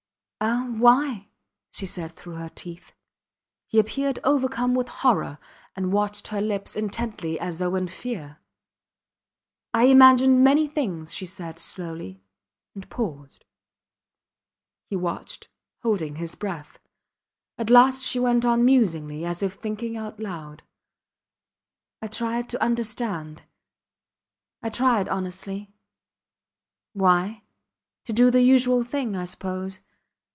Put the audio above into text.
Ah why? she said through her teeth. He appeared overcome with horror, and watched her lips intently as though in fear. I imagined many things, she said, slowly, and paused. He watched, holding his breath. At last she went on musingly, as if thinking aloud, I tried to understand. I tried honestly. ... Why? ... To do the usual thing I suppose.